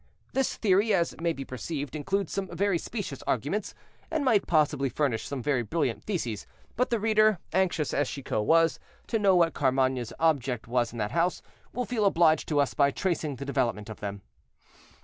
This theory, as may be perceived, includes some very specious arguments, and might possibly furnish some very brilliant theses; but the reader, anxious, as Chicot was, to know what Carmainges' object was in that house, will feel obliged to us by tracing the development of them.